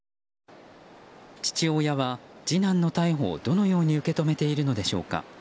父親は次男の逮捕をどのように受け止めているのでしょうか。